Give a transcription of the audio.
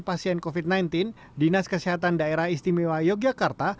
pasien covid sembilan belas dinas kesehatan daerah istimewa yogyakarta